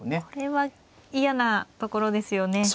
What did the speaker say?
これは嫌なところですよね。